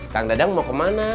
kang dadang mau kemana